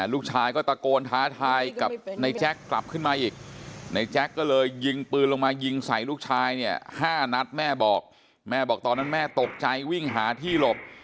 ลูกชายก็ตะโกนท้าทายกับในแจ๊คกลับขึ้นมาอีกในแจ๊กก็เลยยิงปืนลงมายิงใส่ลูกชายเนี่ย๕นัดแม่บอกแม่บอกตอนนั้นแม่ตกใจวิ่งหาที่หลบ